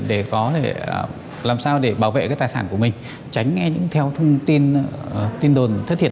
để có thể làm sao để bảo vệ cái tài sản của mình tránh theo thông tin tin đồn thất thiệt